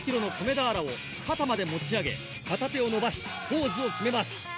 １００ｋｇの米俵を肩まで持ち上げ片手を伸ばしポーズを決めます